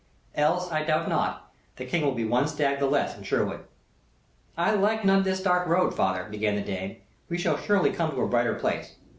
Else, I doubt not, the King will be one stag the less in Sherwood." "I like not this dark road, father," began the dame. "We shall surely come to a brighter place.